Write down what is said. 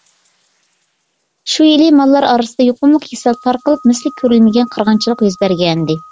شۇ يىلى ماللار ئارىسىدا يۇقۇملۇق كېسەل تارقىلىپ، مىسلى كۆرۈلمىگەن قىرغىنچىلىق يۈز بەرگەنىدى.